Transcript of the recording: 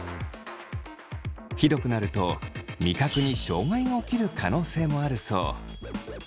ひどくなると味覚に障害が起きる可能性もあるそう。